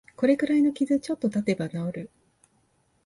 これくらいの傷、ちょっとたてば治る